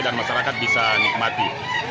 dan masyarakat bisa nikmati